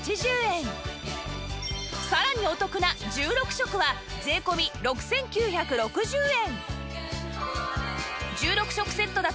さらにお得な１６食は税込６９６０円